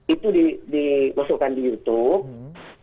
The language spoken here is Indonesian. itu dimasukkan di youtube